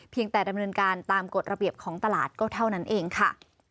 แต่ดำเนินการตามกฎระเบียบของตลาดก็เท่านั้นเองค่ะ